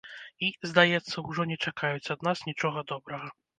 І, здаецца, ужо не чакаюць ад нас нічога добрага.